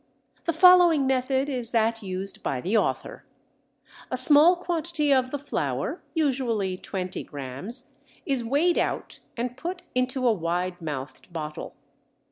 The following method is that used by the author. A small quantity of the flour, usually 20 grams, is weighed out and put into a wide mouthed bottle.